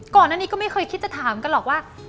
ก่อนอันนี้ก็ไม่เคยคิดจะถามกันหรอกว่า